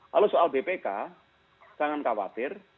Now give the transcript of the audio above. lalu soal bpk jangan khawatir